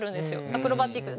アクロバチックな。